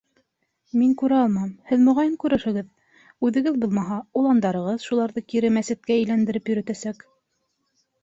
Мин күрә алмам, һеҙ, моғайын, күрерһегеҙ: үҙегеҙ булмаһа, уландарығыҙ шуларҙы кире мәсеткә әйләндереп йөрөйәсәк.